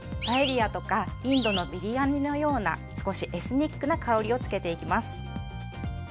パエリアとかインドのビリヤニのような少しエスニックな香りをつけていきます。